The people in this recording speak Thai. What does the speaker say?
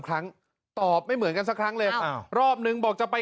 ครั้งตอบไม่เหมือนกันสักครั้งเลยรอบนึงบอกจะไป